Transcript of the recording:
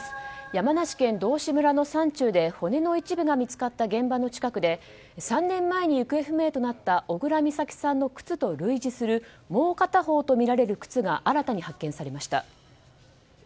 山梨県道志村の山中で骨の一部が見つかった現場の近くで３年前に行方不明となった小倉美咲さんの靴と類似するもう片方とみられる靴が新たに発見されました。